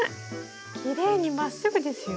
きれいにまっすぐですよ。